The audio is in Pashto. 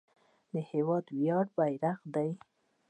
هېواد د ویاړ بیرغ دی.